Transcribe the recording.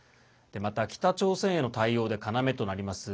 また北朝鮮への対応で要となります